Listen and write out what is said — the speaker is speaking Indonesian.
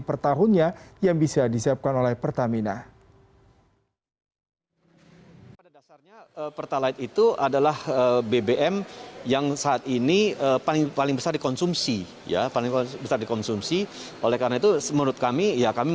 pertahunnya yang bisa disiapkan oleh pertamina